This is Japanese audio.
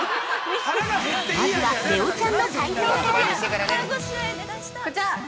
◆まずは、ねおちゃんの解答から◆こちら。